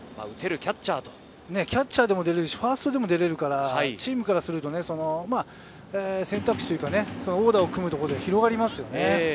キャッチャーでもファーストでも出れるから、選択肢というか、オーダーを組むところで広がりますよね。